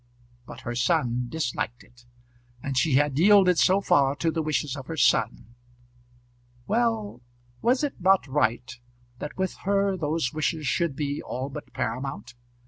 But her son disliked it, and she had yielded so far to the wishes of her son. Well; was it not right that with her those wishes should be all but paramount?